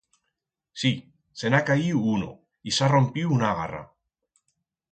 Sí, se'n ha caiu uno y s'ha rompiu una garra.